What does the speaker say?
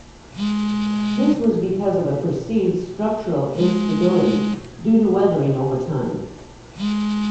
This was because of a perceived structural instability due to weathering over time.